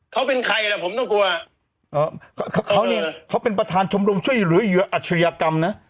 เขาเป็นใครแหละผมต้องกลัวเอ่อเขาเนี่ยเขาเป็นประธานชมโรงช่วยหรือเหยื่ออัจฉริยากรรมนะ